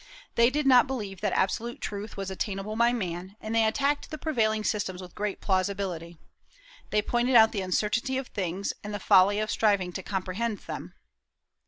They did not believe that absolute truth was attainable by man; and they attacked the prevailing systems with great plausibility. They pointed out the uncertainty of things, and the folly of striving to comprehend them.